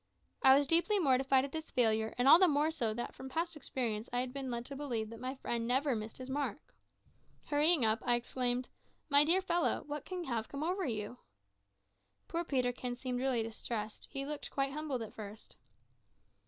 I was deeply mortified at this failure, and all the more so that, from past experience, I had been led to believe that my friend never missed his mark. Hurrying up, I exclaimed "Why, my dear fellow, what can have come over you?" Poor Peterkin seemed really quite distressed; he looked quite humbled at first.